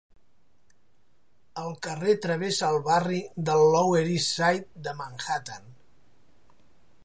El carrer travessa el barri del Lower East Side de Manhattan.